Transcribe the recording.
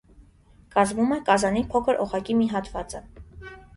Կազմում է կազանի փոքր օղակի մի հատվածը։